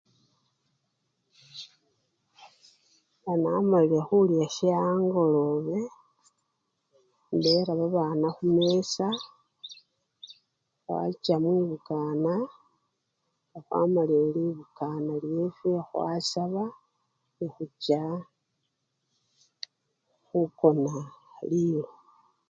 Nga namalile khulya sye angolobe, indera babana khumesa khwacha mwibukana, nga khwamalile libukana lyefwe khwasaba, nekhucha khukona lilo.